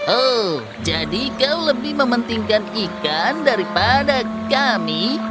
oh jadi kau lebih mementingkan ikan daripada kami